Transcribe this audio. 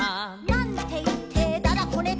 「なんていってだだこねた？」